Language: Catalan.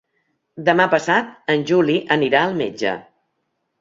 Demà passat en Juli anirà al metge.